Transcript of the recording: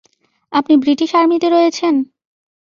আপনি ব্রিটিশ আর্মিতে রয়েছেন?